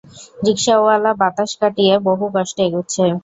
রিকশাওয়ালা বাতাস কাটিয়ে বহু কষ্টে এগুচ্ছে।